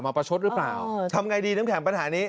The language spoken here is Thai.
ประชดหรือเปล่าทำไงดีน้ำแข็งปัญหานี้